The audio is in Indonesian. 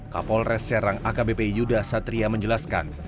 kapolres serang akbp yuda satria menjelaskan